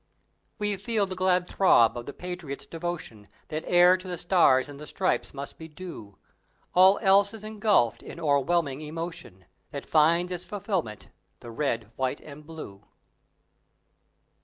We feel the glad throb of the patriot's devotion, That e'er to the Stars and the Stripes must be due, All else is engulfed in o'erwhelming emotion That finds its fulfillment the Red, White and Blue!